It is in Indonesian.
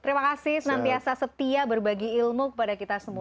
terima kasih senantiasa setia berbagi ilmu kepada kita semua